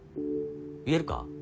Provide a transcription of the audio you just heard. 言えるか？